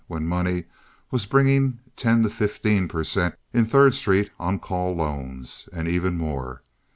when money was bringing from ten to fifteen per cent. in Third Street on call loans, and even more.